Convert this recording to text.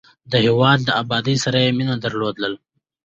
د هېواد د ابادۍ سره یې مینه درلودل.